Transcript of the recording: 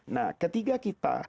nah ketiga kita